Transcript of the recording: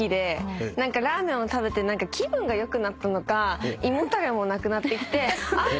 ラーメンを食べて気分が良くなったのか胃もたれもなくなってきてあっ